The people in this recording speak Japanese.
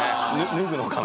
脱ぐのかな？